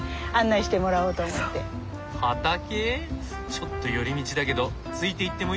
ちょっと寄り道だけどついていってもいいですか？